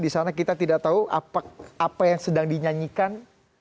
di sana kita tidak tahu apa yang sedang dinyanyikan